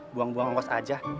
buang buang oks aja